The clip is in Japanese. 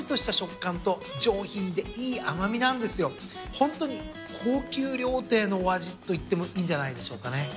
ホントに高級料亭のお味といってもいいんじゃないでしょうかね。